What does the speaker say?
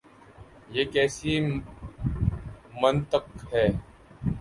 یہ کیسی منطق ہے؟